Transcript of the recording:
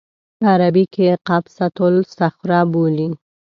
په عربي کې یې قبة الصخره بولي.